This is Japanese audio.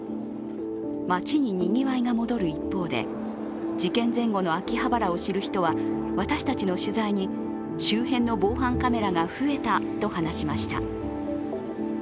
街ににぎわいが戻る一方で事件前後の秋葉原を知る人は私たちの取材に、周辺の防犯カメラが増えたと話しました。